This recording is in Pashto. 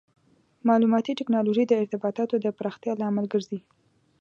مالوماتي ټکنالوژي د ارتباطاتو د پراختیا لامل ګرځي.